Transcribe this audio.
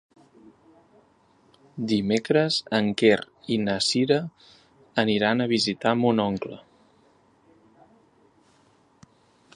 Dimecres en Quer i na Cira aniran a visitar mon oncle.